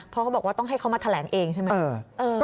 เพราะเขาบอกว่าต้องให้เขามาแถลงเองใช่ไหม